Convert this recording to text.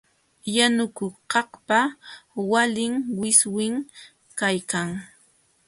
Yanukuqkaqpa walin wiswim kaykan.